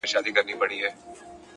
د تجربې غږ خاموش خو ژور وي.!